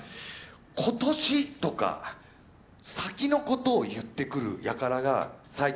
今年とか先のことを言ってくるやからが最近出てる。